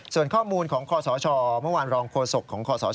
ส่วนข้อมูลของขศมาวันรองโคศกของขศ